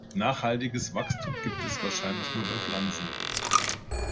Nachhaltiges Wachstum gibt es wahrscheinlich nur bei Pflanzen.